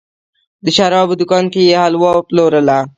د شرابو دوکان کې یې حلوا پلورله.